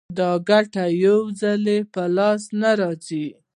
دا ګټه یو ځلي په لاس نه ورځي